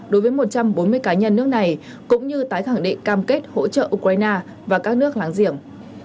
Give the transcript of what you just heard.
đối với một trăm bốn mươi cá nhân nước này cũng như tái khẳng định cam kết hỗ trợ ukraine và các nước láng giềng